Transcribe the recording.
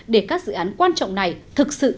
để các dự án quan trọng này thực sự